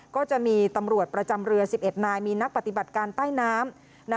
ก็จะมีตำรวจประจำเรือ๑๑นายมีนักปฏิบัติการใต้น้ำ